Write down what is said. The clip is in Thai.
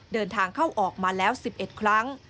เดินทางเข้าออกมาแล้ว๑๑ครั้ง